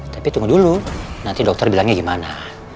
tapi tunggu dulu nanti dokter bilangnya gimana